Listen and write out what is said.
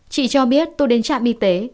chị cho biết tôi đến trạm y tế